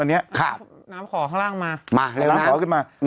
น้ำขอข้างล่างมา